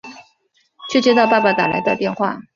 却接到爸爸打来的电话